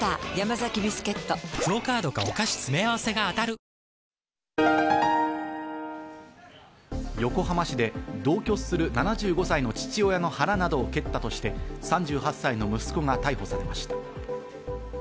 ＩＭＦ＝国際通貨基金が１２日、横浜市で同居する７５歳の父親の腹などを蹴ったとして、３８歳の息子が逮捕されました。